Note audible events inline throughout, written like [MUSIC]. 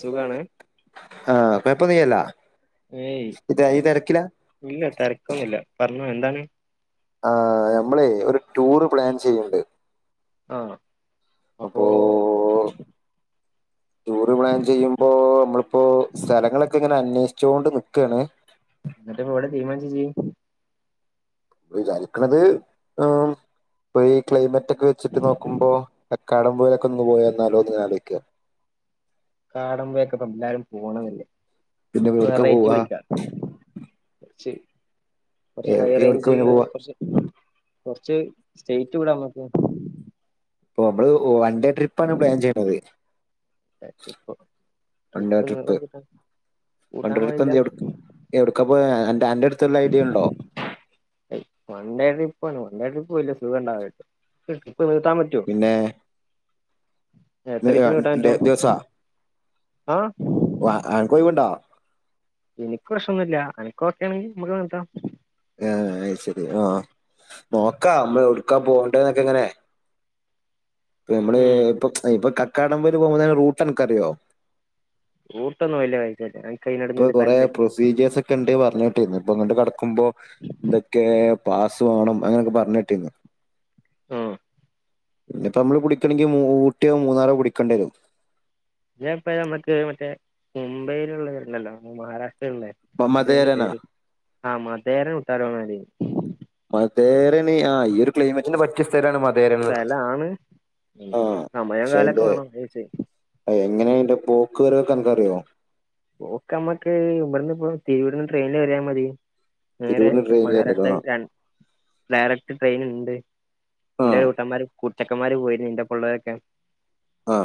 സുഖാണ് ആഹ് ഏയ് കൊപ്പന്ന്യല്ലല്ലൊ ഈ തെരക്കില ഇല്ല തെരക്കൊന്നുല്ല്യ പറഞ്ഞൊ എന്താണ് ആഹ് ഞമ്മള് ഒരു ടൂറ് പ്ലാൻ ചെയ്യ്ണ്ട് ആഹ് അപ്പൊ ടൂറ് പ്ലാൻ ചെയ്യുമ്പോ നമ്മളിപ്പോ സ്ഥലങ്ങളൊക്കെ ഇങ്ങനെ അന്വേഷിച്ചൊണ്ട് നിക്കാണ് ഞ്ഞട്ട് ഇപ്പ എവിടെ തീരുമാനിച്ച് ഇജ്ജ് വിചാരിക്കണത് ഇപ്പൊ ക്ലൈമറ്റ് ഒക്കെ വെച്ചിട്ട് നോക്കുമ്പോ കാക്കാടപോയേൽ ഒന്ന് പോയ എന്നാലോ ഒന്നലോയിക്ക കാടമ്പൊയോക്കെ എല്ലാവരും പോണതല്ലേ പിന്നെ എവിടക്ക പോവാ വേറൈറ്റിപിടിക്കാ കൊറച്ച് കൊറച്ച് ഹൈ എവിടക്ക റേഞ്ച് പിന്നെ പോവാ കൊറച്ച് കൊറച്ച് സ്റ്റേറ്റ് വിടാ നമ്മക്ക് ഇപ്പൊ നമ്മള് വൺ ഡേ ട്രിപ്പാണ് പ്ലാൻ ചെയ്യണത് ട്രിപ്പ് ട്രിപ്പ് വാൻണ്ടട്രിപ്പ് നീളം കിട്ടാൻ കൂട്ടാൻ വൻണ്ട്ട്രിപ്പ് പാടില്ല എവിടക എവിടക്കപ്പോ അന്റെ അടുത്ത് വല്ല ഐഡിയ ഇണ്ടോ വൺ ഡേ ട്രിപ്പ്ണ് വൺ ഡേ ട്രിപ്പ് വല്യ സുഖം ഉണ്ടാവട്ട് ട്രിപ്പ് നീട്ടാൻ പറ്റോ പിന്നെ എത്ര ദീസം നീട്ടാൻ പറ്റും ആഹ് അൻക്കൊയിവുണ്ടൊ ഇന്ക്ക് പ്രശ്നൊന്നുല്ല അനക്ക് ഓക്കാണെങ്കിൽ നമുക്ക് നടത്തം ആഹ് അഹ് ശരി ആഹ് നോക്കാം നമ്മള് ഒടുക്കാ പോവണ്ടേ ന്നൊക്കെ ങ്ങനെ ഇപ്പ നമ്മള് ഉം ഇപ്പ ഇപ്പൊ കക്കാടം പൊയേൽ പോക്പോ റൂട്ട് അനക്കറിയോ റൂട്ടൊന്നുംല്ല ഐഡിയ ഇല്ല ആർക്ക് അയ്നൊടൊന്നും താല്പര്ല്ല ണ്ട് പറഞ്ഞേട്ട് ന്നു ഇപ്പൊ അങ്ങ് കടക്കുമ്പോ എന്തൊക്കെ പാസ് വേണം അങ്ങനൊക്കെ പറഞ്ഞിട്ടിന്ന് ഉം പിന്നെപ്പ നമ്മള് കുടിക്കണെങ്കിൽ ഉട്ടോ മൂന്നാറോ കുടിക്കേണ്ടരും ഇഞപ്പ നമുക്ക് മറ്റേ മുംബൈയിലള്ളവരല്ലല്ലോ മഹാരാഷ്ട്രയിലുള്ള ഇതണ്ട് മതേരനാ പേര് ആ മതര വിട്ടാര പോര് മതേരനീ ആ ഈ ഒരു ക്ലൈമറ്റിന്റെ പറ്റ പറ്റിയ സ്ഥരാണ് മതേരന്ന്ത് സ്ഥലാണ് ആ സമയം പക്ഷെ കാലൊക്കെ അതിൻറെ വേണം ചോദിച്ചേ എങ്ങനെ അയിൻന്റെ പോക്ക് വരവൊക്കെ എനക്ക്ക്കറിയോ പോക്ക് ഞമ്മക്ക് ഇവിന്ന് ഇപ തിരുവിടുന്ന് ട്രെയിനൽ കൊറിയ മതി നേരെ തിരൂരിന്ന് ട്രെയിൻ കേറീക്ക്ണോ മഹാരാഷ്ട്രയിൽ ര ഡയറക്ട് ട്രെയിൻ ഉണ്ട് എന്റെ ആഹ് കൂട്ടന്മാർ കൂട്ടചക്കന്മാര് പോയിരുന്നുന്റെ പള്ളേരൊക്കെ ആ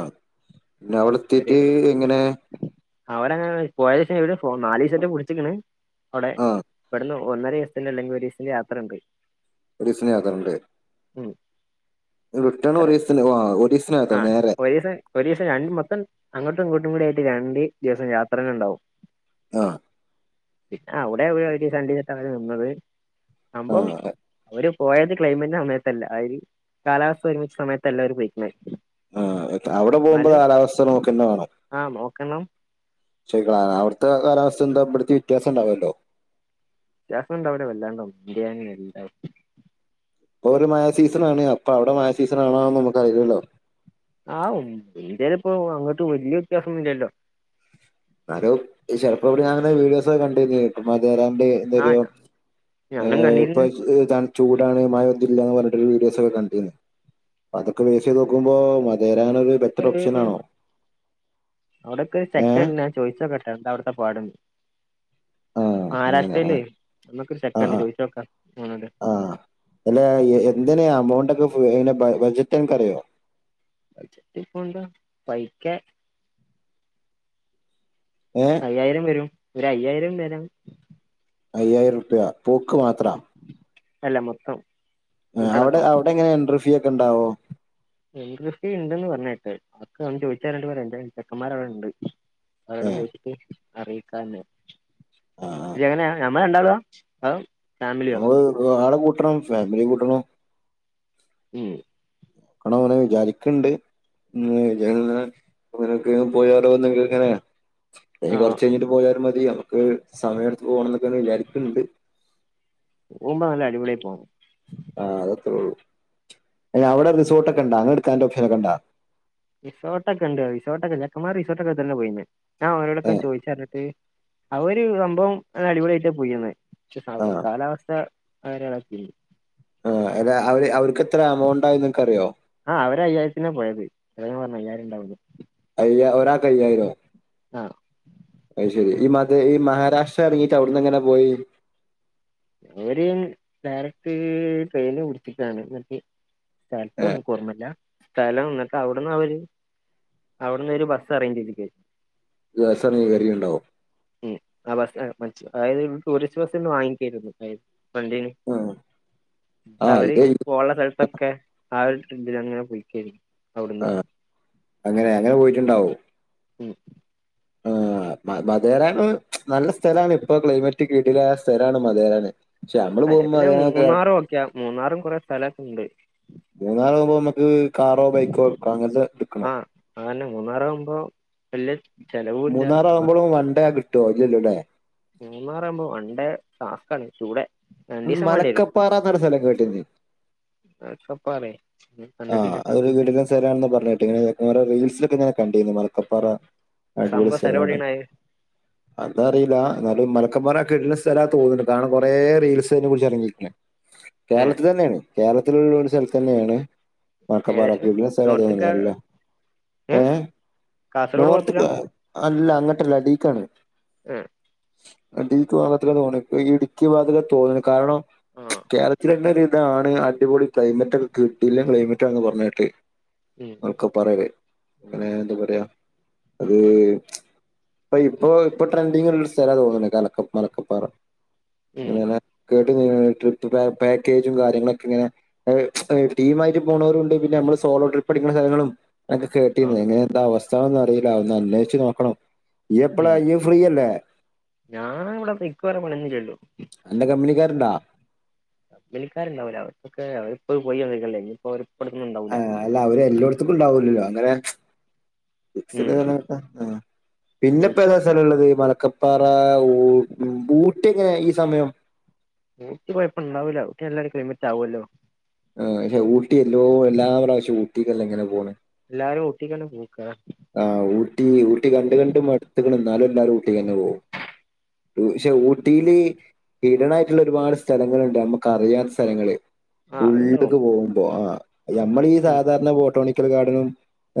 പിന്നെ അവിടെ എത്തിട്ട് എങ്ങനെ അവന്ങ്ങനെ പോയ ശം നാല് ദിവസറ്റ പിടിച്ചിക്കണ് അവിടെ ആഹ് ഇവിന്ന ഒന്നര ദിവസത്തിന്റെ അല്ലങ്കിൽ ഒരു ദിവത്തിന്റെ യാത്ര ഉണ്ട് ഒരു ദിവസംയാത്ര ട് ഉം റിട്ടൺ എത്ര ഒറീസന് ഒറീസ്ന്ത്ന് നേരെ ഒരു ദിവസം രണ്ട് മൊത്തം അങ്ങോട്ടും ഇങ്ങോട്ടും കൂടി ആയിട്ട് രണ്ട് ദിവസം യാത്രകൾ ഉണ്ടാവും ആഹ് പിന്നെ അവിടെ അവിടെ അവര് സണ്ടി തട്ടാണ് നിന്നത് ആ ആുമ്പം അവര് പോയത് ക്ലൈമറ്റിന്റെ സമയത്തല്ല അവര് കാലാവസ്ഥ ഒരുമിച്ച സമയത്തല്ല അവര് പോയിക്ക്ണത് ആ അവിടെ പോകുമ്പോ കാലാവസ്ഥ നോക്കട തണ് ആഹ് നോക്കണം ശ അവിടുത്തെ കാലാവസ്ഥ എന്താ ഇവിടുത്തെ വ്യയാസംണ്ടാവല്ലോ വിതൃസം ഉണ്ടവുല വല്ലാണ്ടോനും ഇതനൊ എലം അപ്പ ഒരു മഴ സീസൺ ആണ് അപ്പൊ അവിടെ മഴ സീസൺ ആണോന്ന് നുക്ക അറിയല്ലല്ലോ ആഹ് ഇന്ത്യാല് ഇപ്പോ അങ്ങട്ട് വലിയ വ്യത്യാസം ഒന്നുമില്ലല്ലോ എന്നാലും ചിലപ്പോപ്പ ഇവിടെ ഞാങ്ങ വീഡിയോസ ഒകൊ കണ്ട് കയിഞ്ഞലും രാണ്ട് എന്തോ ആഹ് ഞാനും കണ്ടിരുന്നു തണ ചൂടാണ് മായഒനും ഇല്ല എന്ന് പറഞ്ഞട്ടൊരു വീഡിയോസ് ഒക്ക കണ്ടിന്ന്. അ അതൊക്കെ വേസ്ത് നോക്കുമ്പോ മതരാനൊരു ബെറ്റർ ഓപ്ഷൻ ആണോ അവിടക്കെ ഒരു ചെക്കൻ ഏഹ് ഞാൻ ചോയ്സൊക്കെ കേട്ടണ്ടോ എന്താ അവിട്ത്തെ പാട് ആ അങ്ങനെ ആ മഹാരാഷ്ട്രയിലേ നമ്മക്കൊരു ആ ചൊക്കൻണ്ട് ആ ചോദിച്ച നോക്കാം അവനോണ്ട് ആഹ് അല്ല എന്തിനാ അമൗണ്ട് ഒക്കെ അ ബഡജറ്റ് അനക്ക് അറിയോ പജററ് ഇപ്പത പൈക്ക ഏഹ് അയ്യായിരം വരും ഒരു അയ്യായിരം വരാൻ അയ്യായിരം റുപൃ പോക്ക് മാത്ര ഉം. അല്ല മൊത്തം അവിടെ ഫുഡടക്കം അവിടെ എങ്ങനെ എൻറ്രർ ഫീ ഒക്കെ ഉണ്ടാവോ എ ഇററർഫീ ഉണ്ട്ന്ന് പറഞ്ഞട്ട് അക്ക ഞവൻ ചോദിച്ചാണ്ട് പ അ ചെക്കന്മാർ അവിടെണ്ട് അവരോട് ഏഹ് എനോശിച്ചിട്ട് അറിയിക്കാന്ന് ആഹ് ആഹ് ഇങ്ങനെയ ഞമ്മള് രണ്ടളും വ നമ്മള് ആളെ കൂട്ടണം ഫാമിലി കൂട്ടണം ഉം കണം അവനെ വിചാരിക്കണ്ട് ഉ അങ്ങനൊക്കെ പോയാറോ അങ്ങനെയാണ് ആ ഇഞ് കൊറച്ചഴിഞ്ഞിട്ട് പോയാലും മതി നമുക്ക് സമയമടുത്ത് പോകണം എന്നൊക്കെ വിചാരിക്ണ്ട് പോവുമ്പോ അങ്ങനെ അടിപൊളായിട്ട് പോണം ആഹ് അത്രേള്ളൂ. അവിടെ റിസോർട്ട് ഒക്കണ്ട അത്ഇടുകാനുള്ള ഓപ്ഷനക്കെണ്ടാ റിസോർട്ടൊക്കെ ഉണ്ട്. റിസോർട്ടൊക്കെ ചക്കന്മാർ റിസോർട്ടൊക്ക തന്നെ പോയി ഞാൻഓരോടൊക്കെ ഏഹ് ചോയിച്ചറിഞ്ഞട്ട്.. അവര് സംഭവം അടിപൊളിയായിട്ടാ പോയി്യന്ന് ക്ഷ ആഹ് കാലാവസ്ഥ അവരാളൊക്കെ ആ അല്ല അവര് അവർക്ക് എത്ര എമൗണ്ടയി നിക്കറിയോ ആഹ് അവര് അയ്യായിരത്തിനാ പോയത്, [UNINTELLIGIBLE] ഞാൻ പറഞ്ഞു അയ്യായിരം ഇണ്ടാവുന്നു. അയ്യ ഒരാൾക്കയ്യായിരോ ആ അത് ശരി. ഈ മത ഈ മഹാരാഷ്ട്ര ഇറങ്ങിട്ട് അവിടുന്നങ്ങനെ പോയി. അവര് ഡയറക്ട് ട്രെയിന് വിളിച്ചിട്ടാണ് മറ്റേ [UNINTELLIGIBLE] ഓർമല്ല സ്ഥലം [UNINTELLIGIBLE] അവിടുന്ന് അവര് അവിട്ന്ന് ഒരു ബസ്സ് അറേഞ്ച് ചെയ്തിക്കെ. ബസ് എറങ്ങി കേറീട്ടുണ്ടാവും. ഉം ആ ബസ് [UNINTELLIGIBLE] അതായത് ടൂറിസ്റ്റ് ബസ് ഇന്ന് വാങ്ങിക്കരുത് [UNINTELLIGIBLE] വണ്ടീന് ആഹ് അവര് ഇത് പോള്ള സ്ഥലത്തൊ ഒക്കെ ആ ഒരു ഇതിലങ്ങനെ പോയ്ക്കേനി ആഹ് അങ്ങനെ അങ്ങനെ പോയിട്ടിണ്ടാവും. ഉം [UNINTELLIGIBLE] മ മതേരാന നല്ല സ്ഥലാണ്, ഇപ്പ ക്ലൈമറ്റ് [UNINTELLIGIBLE] സ്ഥലാണ് [UNINTELLIGIBLE] അല്ലെ പോകുമ്പോ പിന്നെ അതിനൊക്കെ മൂന്നാറും ഒക്കെയാ മൂന്നാറും കൊറേ സ്ഥലൊക്ക്ണ്ട്. മൂന്നാറാകുമ്പോ നമ്മക്ക് കാറോ ബൈക്കോ അങ്ങനത്തെ ആ എടുക്കണം. അതന്നെ മൂന്നാറാവുമ്പോ എല്ലാ മൂന്നാറാകുമ്പഴും വൺഡേ കിട്ടുവോ ഇല്ലല്ലോ ല്ലേ. മൂന്നാറാകുമ്പോ വൺഡേ ടാസ്കാണ് ചൂടെ മലക്കപ്പാറന്ന സ്ഥലം കേട്ടീന് ആ [UNINTELLIGIBLE] ആഹ് അതൊരു [UNINTELLIGIBLE] പറഞ്ഞട്ട് ഇങ്ങനെ [UNINTELLIGIBLE] റീൽസൊക്കെ ഞാ കണ്ടിനി മല ക്കപ്പാറ അടിപൊളി സംഭവ സ്ഥലം സ്ഥലാണ്. എവിടെയാണ് അത് അതറിയില്ല, എന്നാലും മലക്കപ്പാറ കേട്ടുന്ന സ്ഥല തോന്നുണ്ട്, കാരണം കുറേ റീൽസെ കുറിച്ച് ഇറങ്ങിരിക്കെ ഏ കേരളത്തിൽ തന്നെണ് കേരളത്തിലുള്ള ഒരു സലത്ത്ന്നെണ്. മലക്കപ്പാറ ഏകദേശം കിടിലൻ സ്ഥല അത് നോർത്ത്ക്കാ [UNINTELLIGIBLE] ഏ ഏഹ് കാസർഗോഡ് ഭാഗത്ത്ക്കാ നോർത്ത് [UNINTELLIGIBLE] അല്ല അങ്ങട്ടല്ല ഡീക്കാണ് ആഹ് അടീക് [UNINTELLIGIBLE] ഇടുക്കി ഭാഗത്തൊക്കെ തോന്നണ് കാരണം ആ കേരളത്തി തന്നെ ഒരിതാണ്, അടിപൊളി ക്ലൈമറ്റ് ഒക്കെ കിട്ടിയില്ലെ. ക്ലൈമറ്റാന്ന് പറഞ്ഞിട്ട് ഉം [UNINTELLIGIBLE] അത് അപ്പ ഇപ്പോ ഇപ്പോ ട്രെൻഡിങ്ങുള്ള സ്ഥല തോന്നുണ് കലക്ക മലക്കപ്പാറ, ഉം അങ്ങനെ [UNINTELLIGIBLE] ട്രിപ്പ് പാ പാക്കേജും കാര്യങ്ങളൊക്കെ ഇങ്ങനെ ഏ ടീമായിട്ട് പോണോരുണ്ട് പിന്നെ നമ്മള് സോളോ ട്രിപ്പ്‌ അടിക്കണ സ്ഥലങ്ങളും ആ [UNINTELLIGIBLE] എന്താ അവസ് സ്ഥന്ന് അറിയില്ല ഒന്ന് അന്വേഷിച്ചു നോക്കണം എപ്പളാ ഇയ് ഫ്രീയല്ലേ. ഞാനാ ഇവടെ [UNINTELLIGIBLE] പണഞ്ഞില്ലല്ലോ. അന്റെ കമ്പനിക്കാരുണ്ടാ? കമ്പനക്കാരുണ്ടാവുല്ല, അവർക്കൊക്കെ അവര് ഇപ്പോ പോയി [UNINTELLIGIBLE] ഇനിപ്പോ അവര് ഇപ്പടുത്തൊന്നും ഉണ്ടാവുല്ല. ആഹ് അല്ല അവര് എല്ലായിടത്തക്കും ഉണ്ടാവൂലല്ലോ അങ്ങനെ മിക്സഡ് ഉം ക [UNINTELLIGIBLE] ത ആ പിന്നെപ്പേതാ ചോയിച്ചോക്കാം സ്ഥലള്ളത് മലക്കപ് പറ ഊ ബൂട്ടിങ്ങനെ ഈ സമയം. ഊട്ടി കൊയപ്പം ഇണ്ടാവൂലാ ഊട്ടി നല്ലൊരു ക്ലൈമറ്റാവുവല്ലോ ആ പക്ഷേ ഊട്ടി എല്ലോ എല്ലാ പ്രാവശ്യം ഊട്ടിക്കല്ലെ ഇങ്ങനെ പോണെ. എല്ലാരും ഊട്ടിക്കാണ് പോക്ക് അതാ. ആഹ് ഊട്ടി ഊട്ടി കണ്ട് കണ്ട് മട്ത്ത്ക്ക്ണ്, എന്നാലും എല്ലാരും ഊട്ടി തന്നെ പോവും. പക്ഷേ ഊട്ടില് [UNINTELLIGIBLE] ആയിട്ടുള്ള ഒരുപാട് സ്ഥലങ്ങളുണ്ട്, നമ്മുക്ക് അറിയാത്ത സ്ഥലങ്ങള്. ആ അത്ണ്ടാവും ഉള്ളില്ട്ട്ക്ക് പോകുമ്പോ ആഹ് ഞമ്മള് ഈ ഉം സാധാരണ ബോട്ടാണിക്കൽ ഗാർഡനും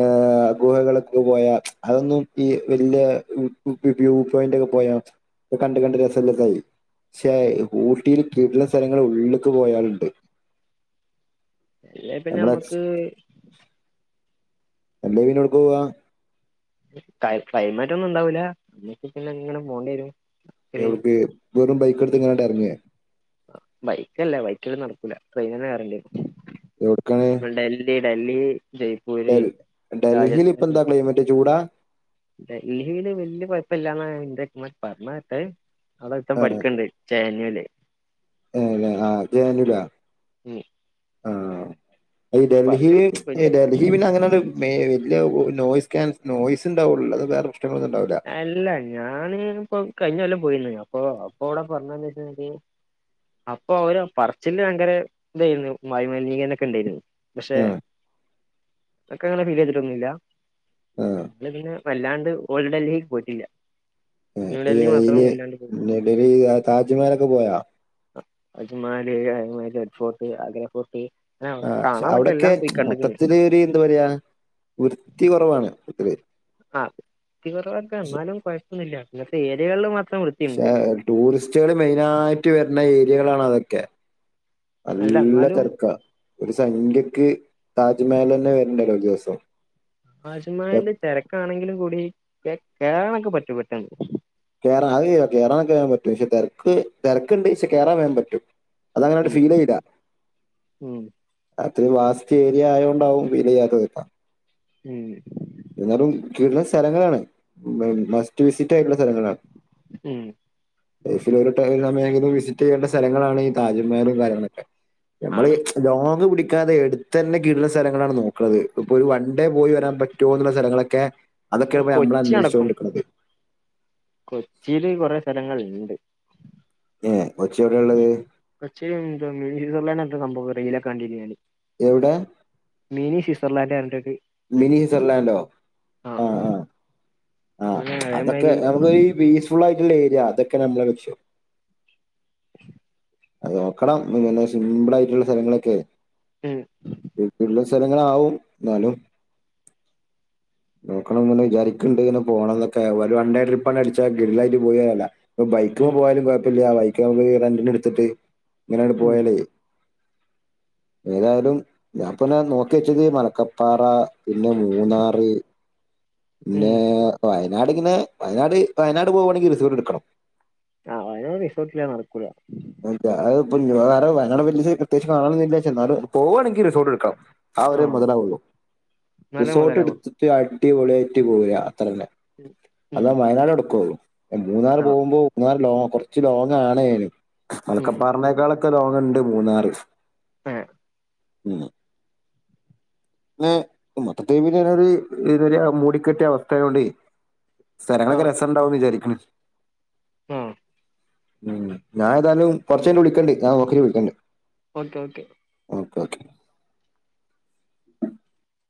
ആഹ് ഗുഹകള് [UNINTELLIGIBLE] പോയാ അതൊന്നും ഈ വലിയ വ്യൂ വ് വ്യൂ പോയിന്റ് ഒക്കെ പോയാ ഇപ്പ കണ്ട് കണ്ട് രസല്ലത്തായി. ക്ഷേ ഊട്ടിയില് [UNINTELLIGIBLE] സ്ഥലങ്ങൾ ഉള്ളേക്ക് പോയാലുണ്ട്. അല്ലെ പിന്നെ നമ്മളെ നമ്മുക്ക് അല്ലേ എല്ലേ പിന്നെ എട്ക്കോ വാ? കയ് പെയ്മെൻറ് ഒന്നും ഉണ്ടാവൂല പിന്നെ ഇങ്ങനെ പോണ്ടി രും. എവ്ട്ക്ക് വെറും ബൈക്ക്ട്ത്ത് ക്കാണ്ട് എർങ്ങേ? ബൈക്കല്ല ബൈക്ക് ൽ നടക്കൂല ട്രെയിന് ന്നെ കേറണ്ടി എവിടക്കാണ് രും [UNINTELLIGIBLE] ഈ ഡല്ലി ടെ ഡ ഡൽഹിൽ ഇപ്പ എന്താ ക്ലൈമറ്റ് ചൂടാ? ഡൽഹില് വല്യ കൊഴപ്പല്ലാന്ന ഇൻ്റെമാ പർഞ്ഞ ട്ടേ. അഒടെ ഒര്ത്തൻ പഠിക്ക്ണ്ട് ജാനുവല്. ഏഹ് [UNINTELLIGIBLE] ഉം ആഹ് ഈ അവൻ ഡൽഹിൽ പറയണ ഇ വല്യ ഡൽഹി പിന്നെ അങ്ങനാണ്ട് വേ ല്ല നോയ്സ്കാൻ നോയിസ് ണ്ടാവുള്ളൂ അല്ലാതെ വേറെ പ്രശ്നങ്ങളൊന്നും ണ്ടാവുല. എല്ല ഞാന് പ്പം കഴിഞ്ഞ കൊല്ലം പോയിന്ന് അപ്പൊ അപ്പൊ വടെ പറഞ്ഞന്ന് [UNINTELLIGIBLE] അപ്പൊ അവര പറച്ചില്ല് ഭയങ്കര തായിരുന്നു വായ മലിനീകരണക്കെ ണ്ടായിരുന്നു. പക്ഷെ ആഹ് ഒക്കെ അങ്ങനെ ഫീല് ചെയ്തിട്ടൊന്നുംല്ല. ആഹ് ല്ലെ പിന്നെ വല്ലാണ്ട് ഓൾ ഡൽഹിക്ക് പോയിട്ടില്ല. [UNINTELLIGIBLE] ന്യൂഡൽഹി മാത്രം വല്ലാണ്ട് പോയിട്ടുള്ളൂ ഡൽഹി താജ്മഹലൊക്കെ പോയാ? അജമാല് [UNINTELLIGIBLE] ഫോർട്ട്, ആഗ്ര ഫോർട്ട് അവിടെ ആഹ് ക്ഷെ കാണാൻ പറ്റിയ അവടൊക്കെ എല്ലാം പോയി കണ്ട്ക്ക്ണ് മൊത്തത്തില് ര് എന്താ പറ്യ വൃത്തി കൊറവാണ്. [UNINTELLIGIBLE] ആഹ് [UNINTELLIGIBLE] എന്നാലും കൊഴപ്പൊന്നില്ല ഇന്നത്തെ ഏരിയകൾ മാ ക്ഷെ ടൂറിസ്റ്റുകള് മെയിനായിട്ട് വെര്ണേ ഏരിയകളാണ അതൊക്കെ. അല്ല നല്ല എന്നാലും തെരക്ക ഒരു സംഖ്യക്ക് താജ്മഹലന്നെ വര്ണ്ടല്ലോ ദിവസം. എ- ആശമാല് തെരക്കാണെങ്കിലും കൂടി കേ കേറാനൊക്കെ പറ്റും പെട്ടെന്ന്. കേറാ അത് കേറാക്കെ വേം പറ്റും ക്ഷെ തെരക്ക് തെരക്ക്ണ്ട് ക്ഷെ കേറാൻ വേം പറ്റും. അതങ്ങനാട്ട് ഉം ഫീൽ യ്താ? ഉം അത് വാസ്റ്റ് ഏരിയ ആയോണ്ടാവും വിലയ ത്തത്. ഉം എന്നാലും കിട്ലം സ്ഥലങ്ങളാണ് മ മസ്റ്റ് വിസിറ്റ് ആയിട്ടുള്ള സ്ഥലങ്ങളാണ്. ഏഹ് ലൈഫിൽ ഒരു ടൈം സമയങ്കിലും വിസിറ്റ് ചെയ്യേണ്ട സ്ഥലങ്ങളാണ് ഈ താജ്മഹലും കാര്യങ്ങളൊക്കെ നമ്മള് ആണ് ലോങ് കുടിക്കാതെ എട്ത്തന്നെ കിട്ലം സ്ഥലങ്ങളാണ് നോക്ക്ണത് ഇപ്പൊ ഒരു വൺ ഡേ പോയി വരാൻ പ റ്റോന്നുള്ള സ്ഥലങ്ങളക്കെ അതൊക്കെയാ അങ്ങനെ പ്പോ നമ്മൾ കൊച്ചി നടക്കും അന്വേഷിച്ചോണ്ട് ക്ക്ണത്. കൊച്ചിയില് കൊറെ സ്ഥലങ്ങള്ണ്ട്. ഏഹ് ഒച്ച എഒടെ ള്ളേ? പച്ചേ [UNINTELLIGIBLE] സംഭവം റീലക്കെ കണ്ടിനി ഞാന്. എഒടെ? മീനി സ്വിറ്റ്സർലാൻഡ് [UNINTELLIGIBLE] മിനി സർലാൻഡോ? ആ ആഹ് ആഹ് ആഹ് അങ്ങനെ അതൊക്കെ അതേമാതിരി നമുക്ക് ഈ പീസ്ഫുൾ ആയിട്ടുള്ള ഏരിയ അതൊക്കെ നമ്മളെ വിക്ഷം. അത് നോക്കണം ഇങ്ങനെ സിംപിൾ ആയിട്ടുള്ള സ്ഥലങ്ങളൊക്കെ ഉം വീട്ടുള്ള സ്ഥലങ്ങളാവും ന്നാലും നോക്കണന്ന് വിചാരിക്ക്ണ്ട് ങ്ങനെ പോണന്നൊക്കെ ഒരു വണ്ടേ ട്രിപ്പ് ആണ്ട് അടിച്ചാ ഗ്രില്ലായിട്ട് പോയി വരാല്ല. ഇപ്പൊ ബൈക്ക് ഉം പോയാലും കൊഴപ്പല്ല്യ. ബൈക്ക് നമുക്ക് റെന്റിന് ട്ത്തിട്ട് ഇങ്ങനാണ്ട് ഉം പോയാലേ. ഏതായാലും ഞാ പന്നെ നോക്കിച്ചത് മലക്കപ്പാറ. പിന്നെ മൂന്നാറ് പിന്നെ ഉം വയനാട്ങ്ങനെ വയനാട് വയനാട് പോകുവാണെങ്കി റിസോർട്ട് ട്ക്കണം. ആഹ് വയന റിസോർട്ടില നടക്കുല. അല്ല അത് പ്പ വേറെ വയനാട് വല്ത് പ്രത്യകിച്ച് കാണനില്ല എന്നാലും പോവാണെങ്കിൽ റിസോർട്ട് ട്ക്കണം. ആഹ് ആ രു മൊതലാവുള്ളൂ മല റിസോർട്ട് മുതലാവുള്ളൂ എട്ത്തിട്ട് അടിപൊളിയായിറ്റ് പോരാ അത്ര ന്നെ. അതാ ഉം വയനാട് എടുക്കുള്ളു മൂന്നാർ ആ പോകുമ്പോ മൂന്നാറ് ലോ കൊർ ച്ച് ലോങ്ങ ആണേ ഉം മലക്കപ്പാറനേക്കാളൊക്കെ ലോങ്ങ ഉണ്ട് മൂന്നാറ് [UNINTELLIGIBLE] [UNINTELLIGIBLE] മൊത്തത്തി അവിടൊരു മൂടിക്കെട്ട അവസ്ഥയയോ ണ്ട് ആ സ്ഥലങ്ങളൊക്കെ രസണ്ടാവന്ന് വിചാരിക്കണ ആഹ് ഉ ഞാൻ ഏതായാലും കൊറച്ച് കഴിഞ്ഞ് വിളിക്കണ്ട് ഞാൻ നോക്കിട്ട വിളിക്കണ്ട് ഓക്കെ ഓക്കെ ഓക്കെ ക്കേ [INAUDIBLE]